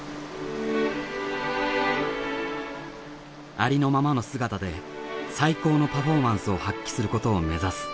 ありのままの姿で最高のパフォーマンスを発揮することを目指す。